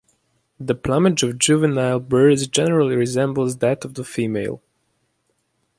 The plumage of juvenile birds generally resembles that of the female.